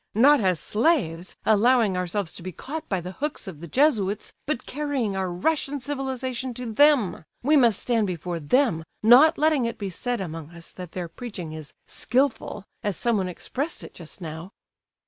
Not as slaves, allowing ourselves to be caught by the hooks of the Jesuits, but carrying our Russian civilization to them, we must stand before them, not letting it be said among us that their preaching is 'skilful,' as someone expressed it just now."